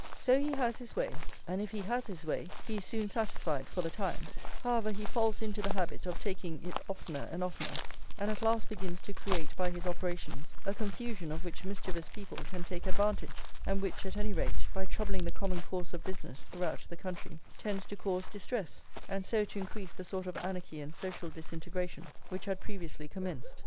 So he has his way, and if he has his way he is soon satisfied for the time; however, he falls into the habit of taking it oftener and oftener, and at last begins to create by his operations a confusion of which mischievous people can take advantage, and which at any rate, by troubling the common course of business throughout the country, tends to cause distress, and so to increase the sort of anarchy and social disintegration which had previously commenced.